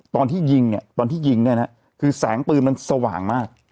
ตอนที่ยิงเนี่ยตอนที่ยิงเนี่ยนะคือแสงปืนมันสว่างมาก